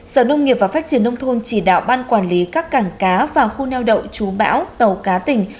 sở nông nghiệp và phát triển nông thôn chỉ đạo ban quản lý các cảng cá và khu neo đậu chú bão tàu cá tỉnh